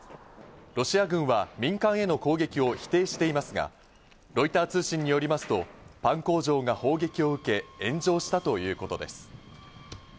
ロシア軍は民間への攻撃を否定していますが、ロイター通信によりますと、パン工場が砲撃を受け炎上したということです。